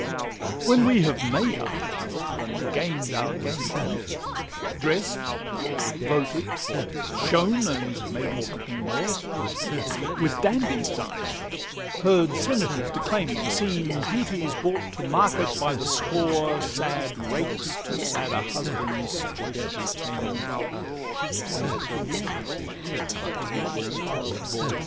When we have made our love, and gamed our gaming, Drest, voted, shone, and, may be, something more; With dandies dined; heard senators declaiming; Seen beauties brought to market by the score, Sad rakes to sadder husbands chastely taming; There's little left but to be bored or bore.